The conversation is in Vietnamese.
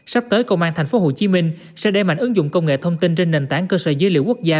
sắp tới công an tp hcm sẽ đẩy mạnh ứng dụng công nghệ thông tin trên nền tảng cơ sở dữ liệu quốc gia